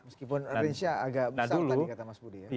meskipun rinsya agak besar tadi kata mas budi ya